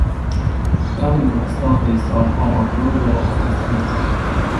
Governor's office upon approval of the senate.